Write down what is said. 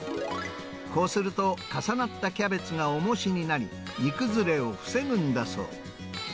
こうすると、重なったキャベツが重しになり、煮崩れを防ぐんだそう。